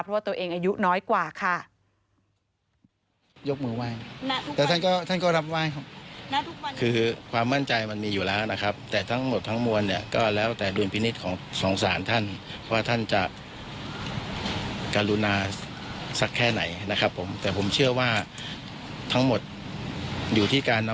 เพราะว่าตัวเองอายุน้อยกว่าค่ะ